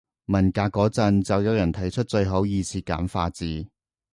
文革嗰陣就有人提出最好二次簡化字